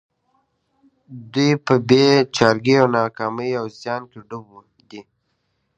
دوی په بې چارګيو او ناکاميو او زيان کې ډوب دي.